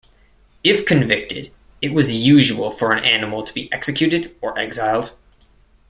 If convicted, it was usual for an animal to be executed, or exiled.